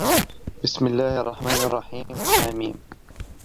بِسمِ اللَّهِ الرَّحمنِ الرَّحيمِ حم